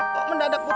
kok mendadak gue tau